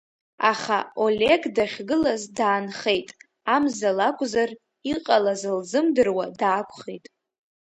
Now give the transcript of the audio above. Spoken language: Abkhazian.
Аха, Олег дахьгылаз даанхеит, Амза лакәзар, иҟалаз лзымдыруа даақәхеит.